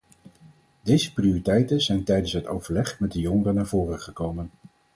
Deze prioriteiten zijn tijdens het overleg met de jongeren naar voren gekomen.